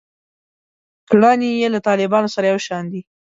کړنې یې له طالبانو سره یو شان دي.